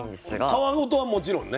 皮ごとはもちろんね。